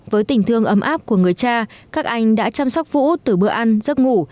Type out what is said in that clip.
với tình thương ấm áp của người cha các anh đã chăm sóc vũ từ bữa ăn giấc ngủ